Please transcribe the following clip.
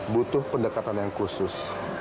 butuh pendekatan yang khusus